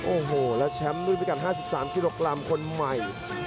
โอ้โหแล้วแชมป์ด้วยไปกัน๕๓กิโลกรัมคนใหม่